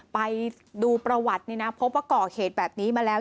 ไปดูประวัติพบว่าก่อเหตุแบบนี้มาแล้ว